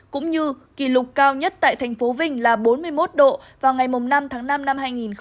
cũng như kỷ lục cao nhất tại thành phố vinh là bốn mươi một độ vào ngày năm tháng năm năm hai nghìn hai mươi